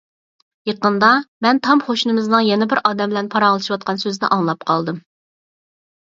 يېقىندا مەن تام قوشنىمىزنىڭ يەنە بىر ئادەم بىلەن پاراڭلىشىۋاتقان سۆزىنى ئاڭلاپ قالدىم.